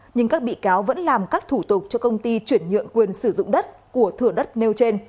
nhưng các bị cáo vẫn làm các thủ tục cho công ty chuyển nhượng quyền sử dụng đất của thửa đất nêu trên